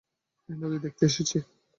এই নদী দেখতে এসেছি।